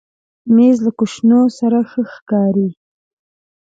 مېز له کوشنو سره ښه ښکاري.